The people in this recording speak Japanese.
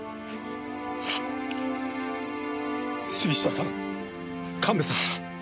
杉下さん神戸さん。